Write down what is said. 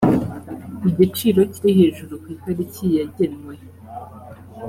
igiciro kiri hejuru ku itariki yagenwe